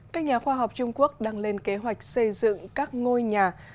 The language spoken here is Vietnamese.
các nhà khoa học trung quốc đang lên kế hoạch xây dựng các ngôi nhà